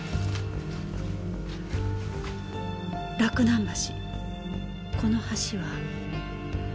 洛南橋この橋は。